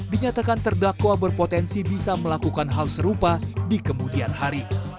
dinyatakan terdakwa berpotensi bisa melakukan hal serupa di kemudian hari